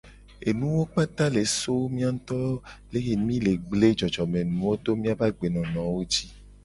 Enu wawo kpata le so mia nguto leke mi le gble jojomenuwo to miabe agbenonowo ji.